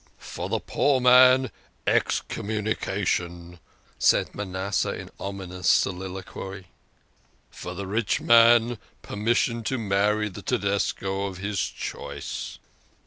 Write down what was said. "" For the poor man excommunication," said Manasseh in ominous soliloquy. " For the rich man permission to marry the Tedesco of his choice."